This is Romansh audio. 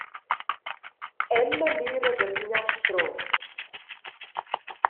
Emma mira da finiastra ora.